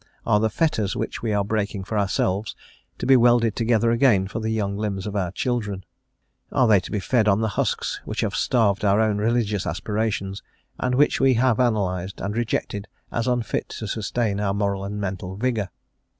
Are the fetters which we are breaking for ourselves to be welded together again for the young limbs of our children? Are they to be fed on the husks which have starved our own religious aspirations, and which we have analysed, and rejected as unfit to sustain our moral and mental vigour?